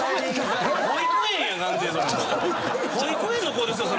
保育園の子ですよ。